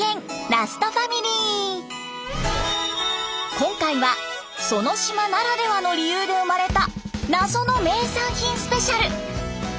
今回はその島ならではの理由で生まれた謎の名産品スペシャル！